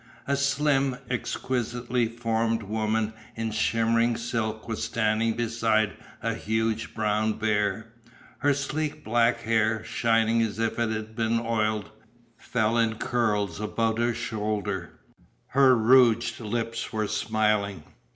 A slim, exquisitely formed woman in shimmering silk was standing beside a huge brown bear. Her sleek black hair, shining as if it had been oiled, fell in curls about her shoulders. Her rouged lips were smiling.